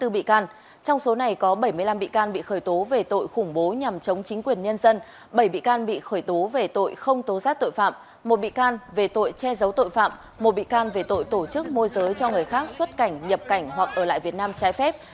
bảy bị can bị khởi tố về tội không tố giác tội phạm một bị can về tội che giấu tội phạm một bị can về tội tổ chức môi giới cho người khác xuất cảnh nhập cảnh hoặc ở lại việt nam trái phép